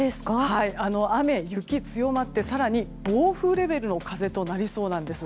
雨、雪強まって更に暴風レベルの風となりそうです。